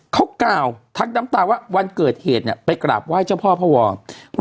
เขากล่าวทักน้ำตาว่าวันเกิดเหตุเนี่ยไปกราบไหว้เจ้าพ่อพระวร